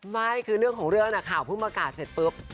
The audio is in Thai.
ไม่คือเรื่องของเรื่องข่าวเพิ่งประกาศเสร็จปุ๊บ